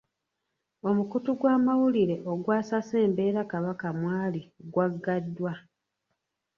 Omukutu gw'amawulire ogwasase embeera Kabaka mwali gwagaddwa.